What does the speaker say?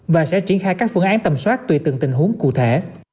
và sẽ triển khai các phương án tầm soát tùy từng tình huống cụ thể